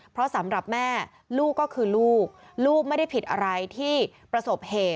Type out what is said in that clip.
เพราะสำหรับแม่ลูกก็คือลูกลูกไม่ได้ผิดอะไรที่ประสบเหตุ